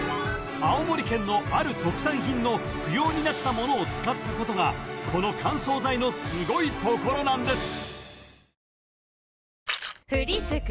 青森県のある特産品の不要になったものを使ったことがこの乾燥剤のすごいところなんです